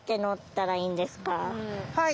はい。